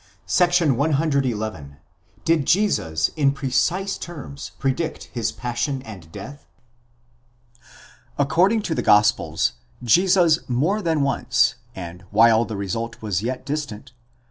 § IIt. DID JESUS IN PRECISE TERMS PREDICT HIS PASSION AND DEATH? AccorpDING to the gospels, Jesus more than once, and wnile the result was yet distant